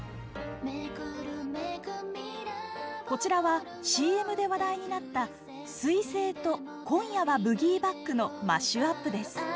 こちらは ＣＭ で話題になった「水星」と「今夜はブギー・バック」のマッシュアップです。